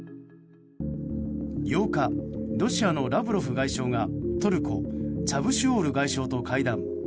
８日、ロシアのラブロフ外相がトルコチャブシュオール外相と会談。